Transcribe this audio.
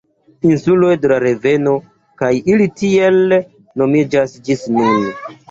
Insuloj de la reveno kaj ili tiel nomiĝas ĝis nun.